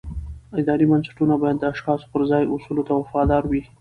اداري بنسټونه باید د اشخاصو پر ځای اصولو ته وفادار وي